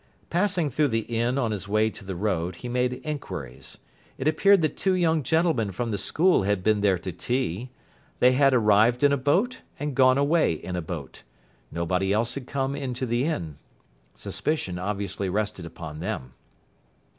Passing through the inn on his way to the road, he made inquiries. It appeared that two young gentlemen from the school had been there to tea. They had arrived in a boat and gone away in a boat. Nobody else had come into the inn. Suspicion obviously rested upon them.